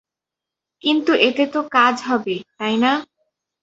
কিন্তু এতে তো কাজ হবে, তাই না?